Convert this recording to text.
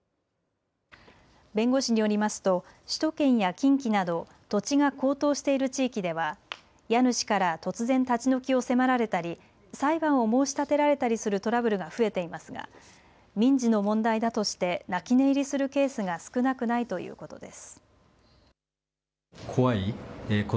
弁護士によりますと首都圏や近畿など土地が高騰している地域では家主から突然立ち退きを迫られたり、裁判を申し立てられたりするトラブルが増えていますが民事の問題だとして泣き寝入りするケースが少なくないということです。